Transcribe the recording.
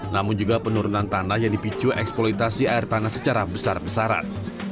namun juga penurunan tanah yang dipicu eksploitasi air tanah secara besar besaran